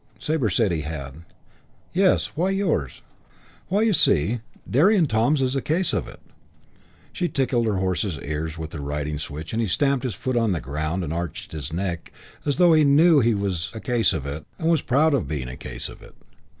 Sabre said he had. "Yes, why yours?" "Why, you see, Derry and Toms is a case of it." She tickled her horse's ears with her riding switch, and he stamped a hoof on the ground and arched his neck as though he knew he was a case of it and was proud of being a case of it.